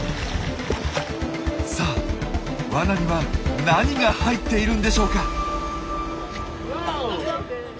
さあ罠には何が入っているんでしょうか？